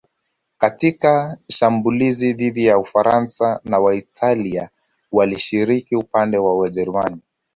Katika shambulizi dhidi ya Ufaransa pia Waitalia walishiriki upande wa Wajerumani